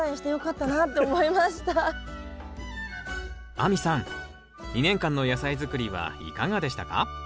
亜美さん２年間の野菜づくりはいかがでしたか？